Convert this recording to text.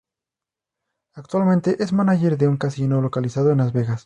Actualmente es manager de un casino localizado en Las Vegas.